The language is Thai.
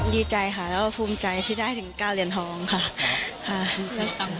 ดีใจค่ะแล้วก็ภูมิใจที่ได้ถึง๙เหรียญทองค่ะ